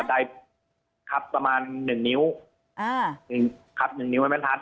ใดครับประมาณหนึ่งนิ้วอ่าครับหนึ่งนิ้วใบบรรทัด